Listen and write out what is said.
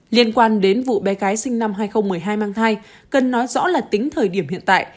liên quan đến vụ bé gái sinh năm hai nghìn một mươi hai mang thai cần nói rõ là tính thời điểm hiện tại